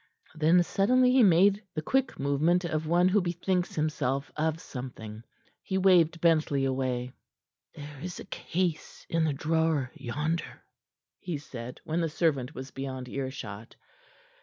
Then suddenly he made the quick movement of one who bethinks himself of something. He waved Bentley away. "There is a case in the drawer yonder," he said, when the servant was beyond earshot.